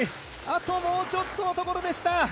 あともうちょっとのところでした。